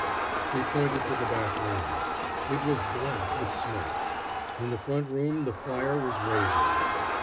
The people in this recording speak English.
He pointed to the back room. It was black with smoke. In the front room the fire was raging.